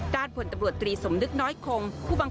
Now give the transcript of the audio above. ๒๓วันก่อนก็มีสันติบาท